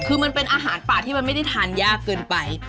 คือมันเป็นอาหารป่าที่มันไม่ได้ทานยากเกินไป